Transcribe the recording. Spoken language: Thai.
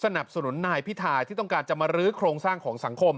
สนับสนุนนายพิทาที่ต้องการจะมารื้อโครงสร้างของสังคม